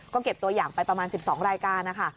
ก็เก็บตัวอย่างไปประมาณ๑๒รายการนะคะ